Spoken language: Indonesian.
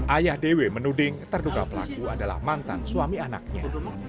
ayah dewi menuding terduga pelaku adalah mantan suami anaknya